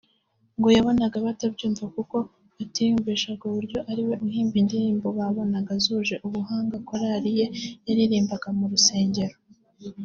ngo yabonaga batabyumva kuko batiyumvishaga uburyo ariwe uhimba indirimbo babonaga zuje ubuhanga korali ye yaririmbaga mu rusengero